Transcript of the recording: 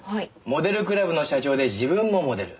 モデルクラブの社長で自分もモデル。